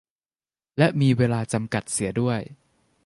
และมีเวลาจำกัดเสียด้วย